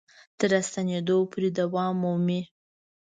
تر راستنېدو پورې دوام مومي.